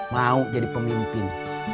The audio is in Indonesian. mau jadi pemimpin